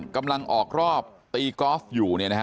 กำลังออกรอบตีกอล์ฟอยู่